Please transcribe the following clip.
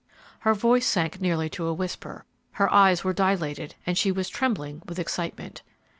Her voice sank nearly to a whisper, her eyes were dilated, and she was trembling with excitement.